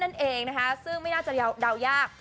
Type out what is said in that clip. นั่นเองนะคะซึ่งไม่น่าจะเดายาก